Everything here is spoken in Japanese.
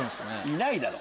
いないだろ！